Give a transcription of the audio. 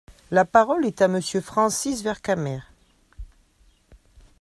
La parole est à Monsieur Francis Vercamer.